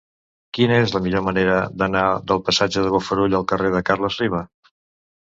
Quina és la millor manera d'anar del passatge dels Bofarull al carrer de Carles Riba?